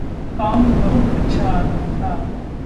Tom बहुत अच्छा आदमी था।